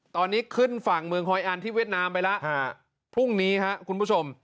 ตอนนี้ขึ้นฝั่งเมืองฮอยอันที่เวียดนามไปแล้วพรุ่งนี้ครับคุณผู้ชม